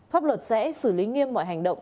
pháp luật sẽ xử lý nghiêm mọi hành động